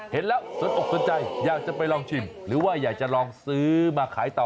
เห็นแล้วสนอกสนใจอยากจะไปลองชิมหรือว่าอยากจะลองซื้อมาขายต่ำ